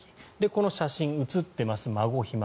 この写真、写っています孫、ひ孫。